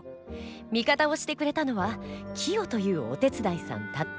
味方をしてくれたのは清というお手伝いさんたった一人だった。